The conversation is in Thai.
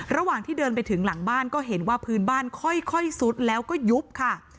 ระหว่างที่เดินไปถึงหลังบ้านก็เห็นว่าพื้นบ้านค่อยซุดแล้วก็ยุบค่ะ